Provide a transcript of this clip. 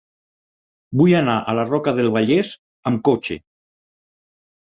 Vull anar a la Roca del Vallès amb cotxe.